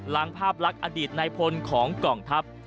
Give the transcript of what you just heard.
ล้างภาพลักษณ์อดีตในพลของกล่องทัพ